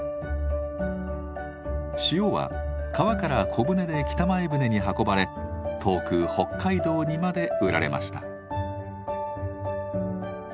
塩は川から小舟で北前船に運ばれ遠く北海道にまで売られました。